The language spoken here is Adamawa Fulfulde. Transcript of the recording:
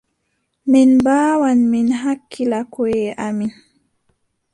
Min mbaawan min hakkila koʼe amin.